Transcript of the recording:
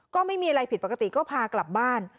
ก็ไม่มีอะไรผิดปกติก็พากลับบ้าน